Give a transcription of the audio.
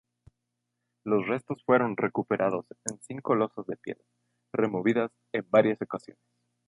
Los restos fueron recuperados en cinco losas de piedra, removidas en varias ocasiones.